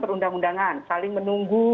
perundang undangan saling menunggu